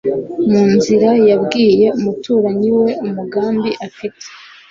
mu nzira yabwiye umuturanyi we umugambi afite,